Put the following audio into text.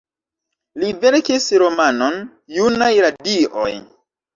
Li verkis romanon, "Junaj radioj".